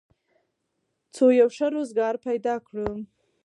څو یو ښه روزګار پیدا کړو